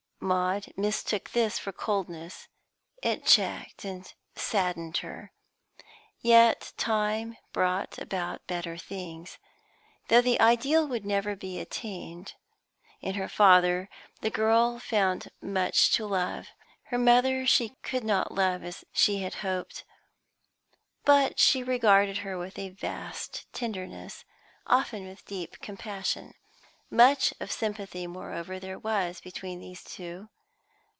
Maud mistook this for coldness; it checked and saddened her. Yet time brought about better things, though the ideal would never be attained. In her father, the girl found much to love; her mother she could not love as she had hoped, but she regarded her with a vast tenderness, often with deep compassion. Much of sympathy, moreover, there was between these two.